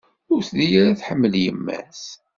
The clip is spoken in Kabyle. Ur telli ara tḥemmel yemma-s.